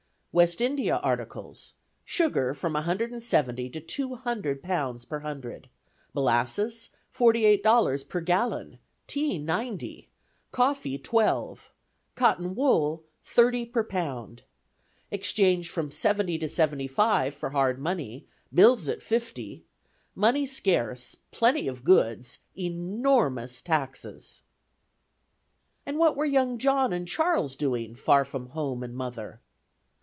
West India articles: sugar, from a hundred and seventy to two hundred pounds per hundred; molasses, forty eight dollars per gallon; tea, ninety; coffee, twelve; cotton wool, thirty per pound. Exchange from seventy to seventy five for hard money. Bills at fifty. Money scarce; plenty of goods; enormous taxes." And what were young John and Charles doing, far from home and mother?